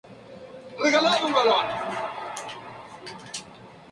Los que establecieran pulperías no pagarían derecho real por diez años.